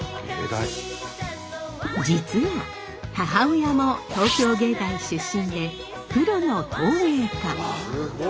実は母親も東京芸大出身でプロの陶芸家。